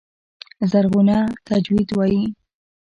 زرغونه تجوید وايي.